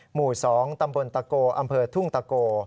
หมู่๒ตำบลตะโกอำเภอทุ่งตะโก